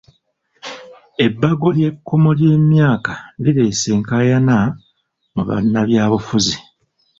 Ebbago ly'ekkomo ly'emyaka lireese enkaayana mu bannabyabufuzi.